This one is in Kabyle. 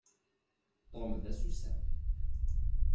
Tom d asusam.